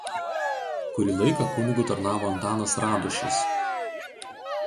Kurį laiką kunigu tarnavo Antanas Radušis.